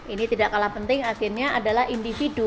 ini tidak kalah penting akhirnya adalah individu